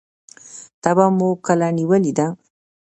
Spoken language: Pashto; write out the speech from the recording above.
تبه مو کله نیولې ده؟